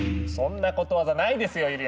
そんなことわざないですよ